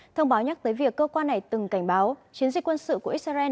thông báo nhắc tới việc cơ quan này từng cảnh báo chiến dịch quân sự của israel